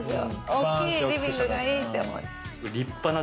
大きいリビングがいいって思って。